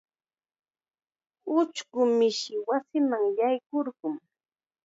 Ushqu mishi wasima yaykurqun.